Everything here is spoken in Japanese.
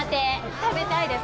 食べたいです！